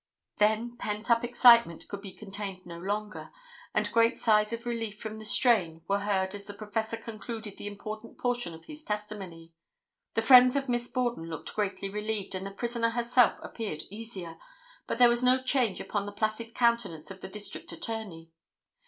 [Illustration: CAPTAIN DENNIS DESMOND.] Then pent up excitement could be contained no longer, and great sighs of relief from the strain were heard as the professor concluded the important portion of his testimony. The friends of Miss Borden looked greatly relieved and the prisoner herself appeared easier, but there was no change upon the placid countenance of the District Attorney.